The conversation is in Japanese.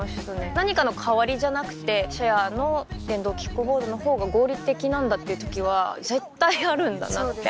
何かの代わりじゃなくてシェアの電動キックボードのほうが合理的なんだっていう時は絶対あるんだなって。